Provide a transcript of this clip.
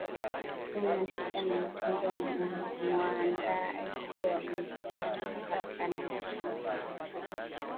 kumi na sita na mtunzi na muaandaaji wa muziki kutoka Marekani Ian Brenann